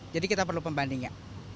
jadi kita perlu pembandingnya